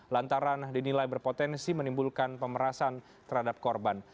lantaran dinilai berpotensi menimbulkan pemerasan terhadap korban